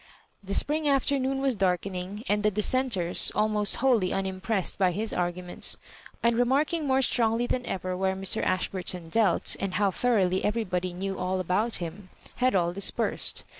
The spring afternoon was darkening, and the Dissenters (almost wholly unimpressed by his arguments, and remarkmg more strongly than ever where Mr. Ashburton "dealt," and how thoroughly everybody knew all about him) had all dispersed.